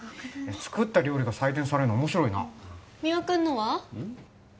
作った料理が採点されるの面白いな三輪君のは？